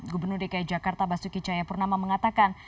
gubernur dki jakarta basuki caya purnama mengatakan